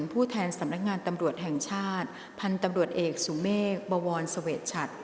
ผู้แทนสำนักงานตำรวจแห่งชาติพันธุ์ตำรวจเอกสุเมฆบวรเสวชชัด